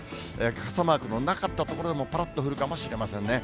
傘マークのなかった所でもぱらっと降るかもしれませんね。